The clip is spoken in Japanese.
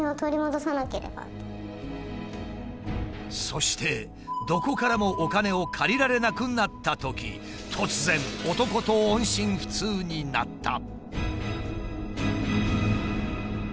そしてどこからもお金を借りられなくなったとき突然男と音信不通になった。